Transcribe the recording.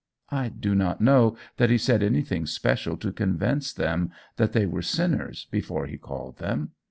I do not know that he said anything special to convince them that they were sinners before he called them.